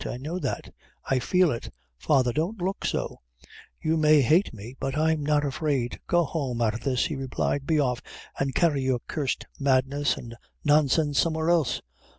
I know that I feel it. Father, don't look so: you may bate me, but I'm not afraid." "Go home out o'this," he replied "be off, and carry your cursed madness and nonsense somewhere else."